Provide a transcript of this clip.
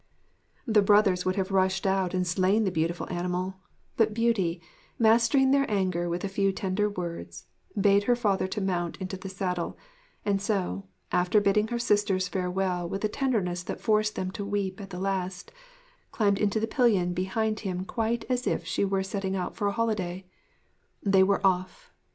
] The brothers would have rushed out and slain the beautiful animal; but Beauty, mastering their anger with a few tender words, bade her father mount into the saddle; and so, after bidding her sisters farewell with a tenderness that forced them to weep at the last, climbed to the pillion behind him quite as if she were setting out for a holiday. They were off!